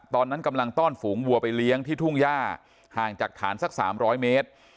ตอนนั้นกำลังต้อนฝูงวัวไปเลี้ยงที่ทุ่งย่าห่างจากฐานสัก๓๐๐เมตร